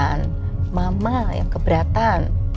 dan mama yang keberatan